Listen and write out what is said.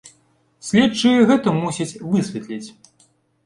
Следчыя гэта мусяць высвятляць.